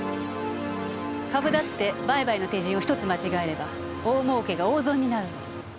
株だって売買の手順を１つ間違えれば大儲けが大損になるの。